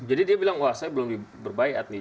jadi dia bilang wah saya belum diberbaiat nih